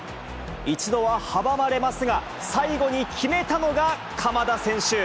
一度は阻まれますが、最後に決めたのが鎌田選手。